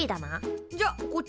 じゃこっちに。